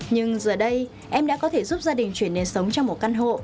nhưng giờ đây em đã có thể giúp gia đình chuyển nền sống trong một căn hộ